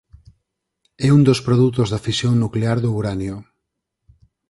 É un dos produtos da fisión nuclear do uranio.